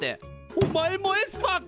おまえもエスパーか！